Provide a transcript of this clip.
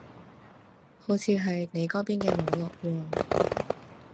好似係你嗰邊嘅網絡喎